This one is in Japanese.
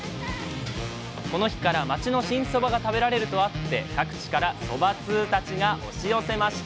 この日から町の新そばが食べられるとあって各地からそば通たちが押し寄せました。